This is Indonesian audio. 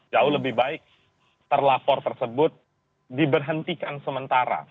jauh lebih baik terlapor tersebut diberhentikan sementara